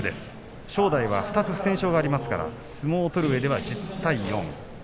正代は２つの不戦勝がありますから相撲を取るうえでは１０対４。